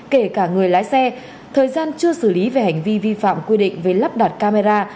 kể cả người lái xe thời gian chưa xử lý về hành vi vi phạm quy định về lắp đặt camera